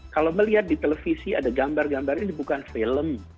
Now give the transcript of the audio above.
kalau melihat di televisi ada gambar gambar ini bukan film